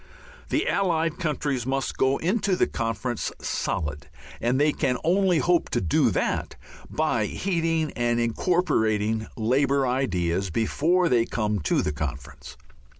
The Allied countries must go into the conference solid, and they can only hope to do that by heeding and incorporating Labour ideas before they come to the conference.